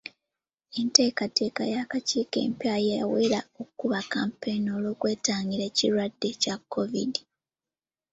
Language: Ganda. Enteekateeka y'akakiiko empya yawera okukuba kampeyini olw'okwetangira ekirwadde kya Kovidi.